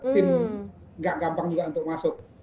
tim nggak gampang juga untuk masuk